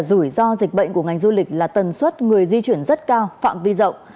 rủi ro dịch bệnh của ngành du lịch là tần suất người di chuyển rất cao phạm vi rộng